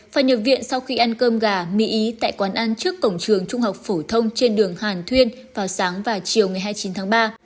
phải nhập viện sau khi ăn cơm gà mỹ ý tại quán ăn trước cổng trường trung học phổ thông trên đường hàn thuyên vào sáng và chiều ngày hai mươi chín tháng ba